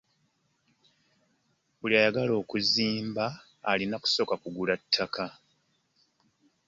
Buli agagala okuzimba alina kusooka kugula ttaka.